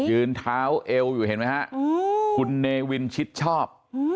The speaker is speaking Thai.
ยืนเท้าเอวอยู่เห็นไหมฮะคุณเนวินชิดชอบ